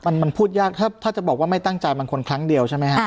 มันมันพูดยากถ้าจะบอกว่าไม่ตั้งใจมันคนครั้งเดียวใช่ไหมฮะ